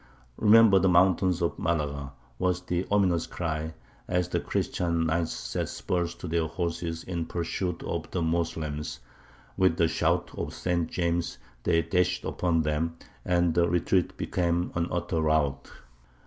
"Remember the mountains of Malaga!" was the ominous cry, as the Christian knights set spurs to their horses in pursuit of the Moslems: with shouts of St. James they dashed upon them, and the retreat became an utter rout.